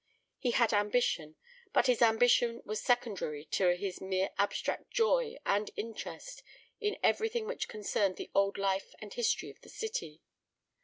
He had ambition, but his ambition was secondary to his mere abstract joy and interest in everything which concerned the old life and history of the city.